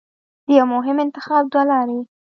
د یوه مهم انتخاب دوه لارې